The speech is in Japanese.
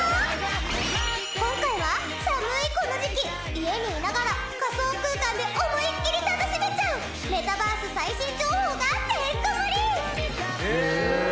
今回は寒いこの時期家にいながら仮想空間で思いっきり楽しめちゃうメタバース最新情報がてんこ盛り！